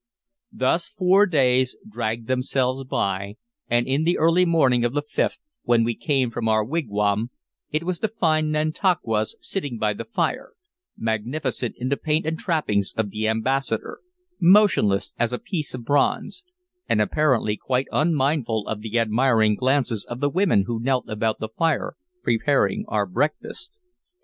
Thus four days dragged themselves by, and in the early morning of the fifth, when we came from our wigwam, it was to find Nantauquas sitting by the fire, magnificent in the paint and trappings of the ambassador, motionless as a piece of bronze, and apparently quite unmindful of the admiring glances of the women who knelt about the fire preparing our breakfast.